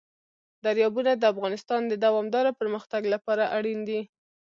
دریابونه د افغانستان د دوامداره پرمختګ لپاره اړین دي.